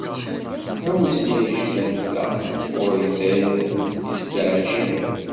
Tamussni yecban ta, ɣur-i d ayen yesteɛǧiben.